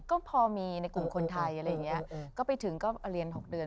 ก็พอมีในกลุ่มคนไทยอะไรอย่างนี้ก็ไปถึงก็เรียน๖เดือน